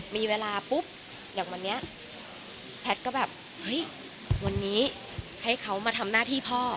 มีเวลาปุ๊บอย่างวันนี้แพทย์ก็แบบเฮ้ยวันนี้ให้เขามาทำหน้าที่พ่อ